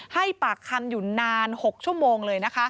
ให้ปากคำอยู่นาน๖ชั่วโมงเลยนะคะ